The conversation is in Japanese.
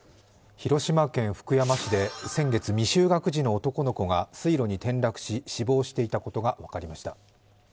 広島県福山市で先月、未就学児の男の子が水路に転落し死亡していたことが分かりました。